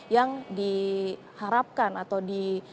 yang diharapkan atau di